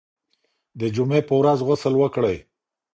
د جمعې په ورځ غسل وکړئ.